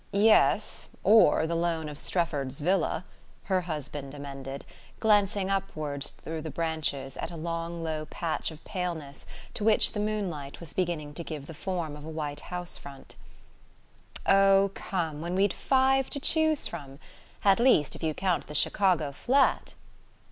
"Yes or the loan of Strefford's villa," her husband emended, glancing upward through the branches at a long low patch of paleness to which the moonlight was beginning to give the form of a white house front. "Oh, come when we'd five to choose from. At least if you count the Chicago flat."